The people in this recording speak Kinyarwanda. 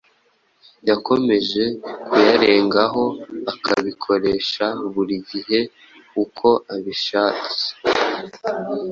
yakomeje kuyarengaho akabikoresha buri gihe uko abishats